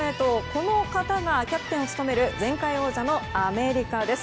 この方がキャプテンを務める前回王者のアメリカです。